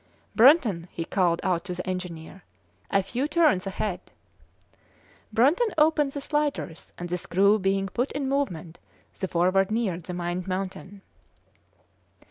"Brunton!" he called out to the engineer, "a few turns ahead." Brunton opened the sliders, and the screw being put in movement, the Forward neared the mined mountain.